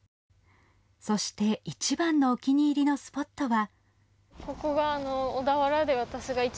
そして、いちばんのお気に入りのスポットは。